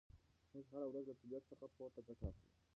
موږ هره ورځ له طبیعت څخه پوره ګټه اخلو.